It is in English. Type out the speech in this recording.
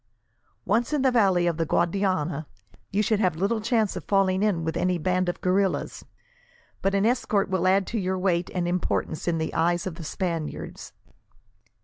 Once in the valley of the Guadiana, you should have little chance of falling in with any bands of guerrillas, but an escort will add to your weight and importance in the eyes of the Spaniards."